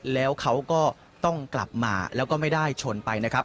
แล้วเขาก็ต้องกลับมาแล้วก็ไม่ได้ชนไปนะครับ